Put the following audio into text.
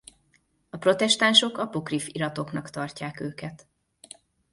A protestánsok apokrif iratoknak tartják őket.